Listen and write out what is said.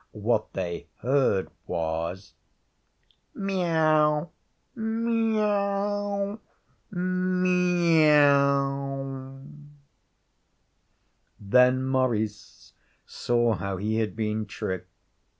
What they heard was, 'Meaow Meaow Meeeaow!' Then Maurice saw how he had been tricked.